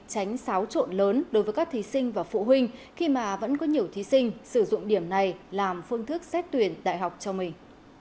tránh xáo trộn lớn đối với các thí sinh và phụ huynh khi mà vẫn có nhiều thí sinh sử dụng điểm này làm phương thức xét tuyển đại học cho mình